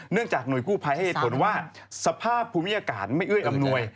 จากหน่วยกู้ภัยให้เหตุผลว่าสภาพภูมิอากาศไม่เอื้ออำนวย